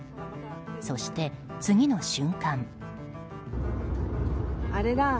そして、次の瞬間。